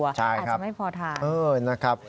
อาจจะไม่พอทาน